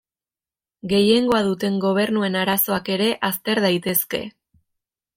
Gehiengoa duten gobernuen arazoak ere azter daitezke.